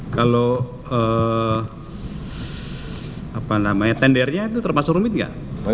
kalau tendernya itu termasuk rumit nggak